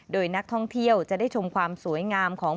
โดยนักท่องเที่ยวจะได้ชมความสวยงามของ